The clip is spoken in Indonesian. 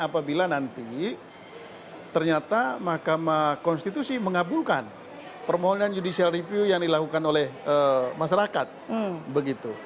apabila nanti ternyata mahkamah konstitusi mengabulkan permohonan judicial review yang dilakukan oleh masyarakat begitu